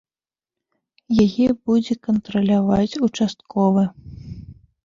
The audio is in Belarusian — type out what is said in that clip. Яе будзе кантраляваць участковы.